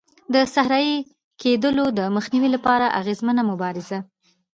د صحرایې کېدلو د مخنیوي لپاره اغېزمنه مبارزه.